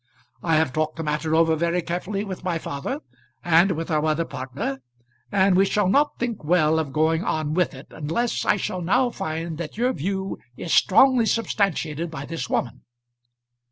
I have talked the matter over very carefully with my father and with our other partner, and we shall not think well of going on with it unless I shall now find that your view is strongly substantiated by this woman."